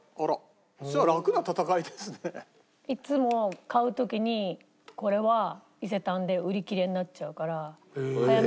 いつも買う時にこれは伊勢丹で売り切れになっちゃうから。